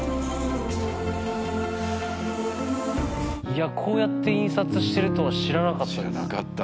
いやこうやって印刷してるとは知らなかったです。